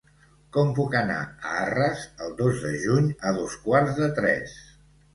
Com puc anar a Arres el dos de juny a dos quarts de tres?